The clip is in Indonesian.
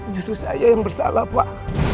justru saya yang bersalah pak